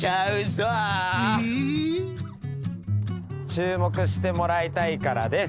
注目してもらいたいからです！